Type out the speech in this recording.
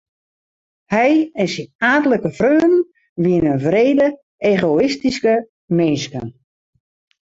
Hy en syn aadlike freonen wiene wrede egoïstyske minsken.